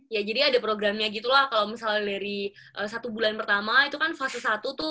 ya jadi ada programnya gitu lah kalau misalnya dari satu bulan pertama itu kan fase satu tuh